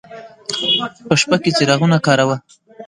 په شپه کې څراغونه کاروه.